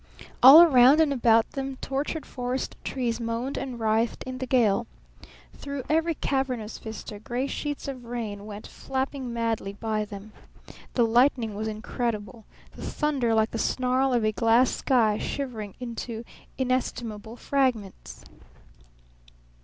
All around and about them tortured forest trees moaned and writhed in the gale. Through every cavernous vista gray sheets of rain went flapping madly by them. The lightning was incredible. The thunder like the snarl of a glass sky shivering into inestimable fragments.